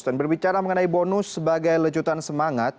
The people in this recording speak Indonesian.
dan berbicara mengenai bonus sebagai lecutan semangat